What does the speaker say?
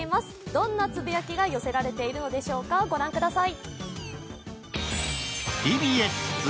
どんなつぶやきが寄せられているのでしょうか、ご覧ください。